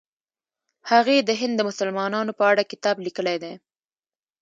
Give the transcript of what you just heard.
هغې د هند د مسلمانانو په اړه کتاب لیکلی دی.